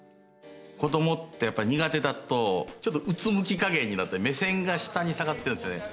子供ってやっぱり苦手だとちょっとうつむき加減になって目線が下に下がってるんですよね。